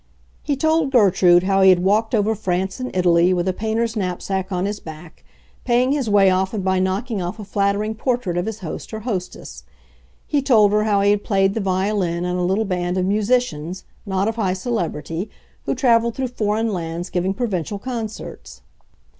He told Gertrude how he had walked over France and Italy with a painter's knapsack on his back, paying his way often by knocking off a flattering portrait of his host or hostess. He told her how he had played the violin in a little band of musicians—not of high celebrity—who traveled through foreign lands giving provincial concerts.